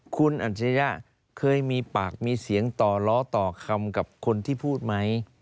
คุณอัจฉริยะเคยมีปากมีเสียงต่อล้อต่อคำกับคนที่พูดไหม